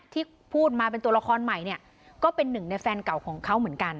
ที่พูดมาเป็นตัวละครใหม่เนี่ยก็เป็นหนึ่งในแฟนเก่าของเขาเหมือนกัน